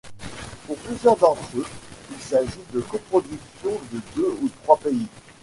Pour plusieurs d'entre eux, il s'agit de coproductions de deux ou trois pays.